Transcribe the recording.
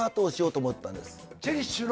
チェリッシュの？